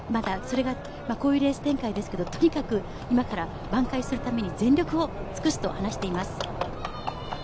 こういうレース展開ですけどとにかく今から挽回するために全力を尽くすと話しています。